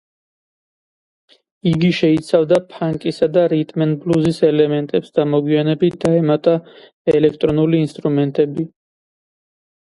იგი შეიცავდა ფანკისა და რიტმ ენდ ბლუზის ელემენტებს და მოგვიანებით დაემატა ელექტრონული ინსტრუმენტები.